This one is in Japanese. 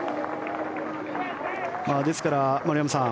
ですから、丸山さん